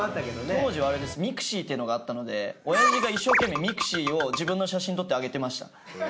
当時はあれですｍｉｘｉっていうのがあったので親父が一生懸命ｍｉｘｉを自分の写真を撮って上げてました。